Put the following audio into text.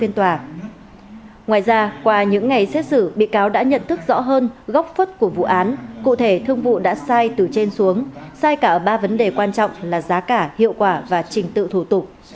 ngoài ra qua những ngày xét xử bị cáo đã nhận thức rõ hơn góc phất của vụ án cụ thể thương vụ đã sai từ trên xuống sai cả ở ba vấn đề quan trọng là giá cả hiệu quả và trình tự thủ tục